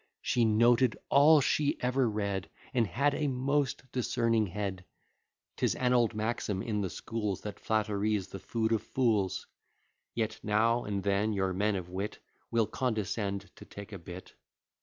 She noted all she ever read! And had a most discerning head! 'Tis an old maxim in the schools, That flattery's the food of fools; Yet now and then your men of wit Will condescend to take a bit.